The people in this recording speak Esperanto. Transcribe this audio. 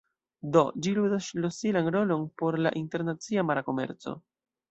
Do, ĝi ludas ŝlosilan rolon por la internacia mara komerco.